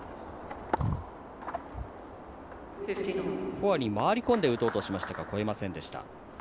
フォアに回り込んで打とうとしましたが越えませんでした。